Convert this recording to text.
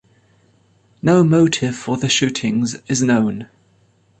No motive for the shootings is known.